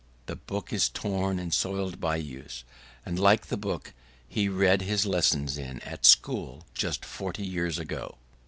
The book is torn and soiled by use and like the book he read his lessons in, at school, just forty years ago!